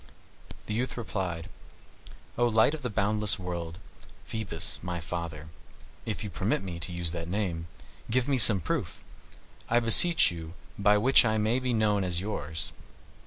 The youth replied, "O light of the boundless world, Phoebus, my father, if you permit me to use that name, give me some proof, I beseech you, by which I may be known as yours."